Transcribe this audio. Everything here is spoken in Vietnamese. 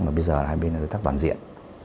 mà bây giờ hai bên là đối tác toàn diện